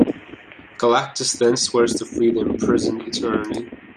Galactus then swears to free the imprisoned Eternity.